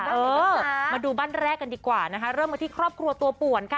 มาดูบ้านแรกกันดีกว่านะคะเริ่มกันที่ครอบครัวตัวป่วนค่ะ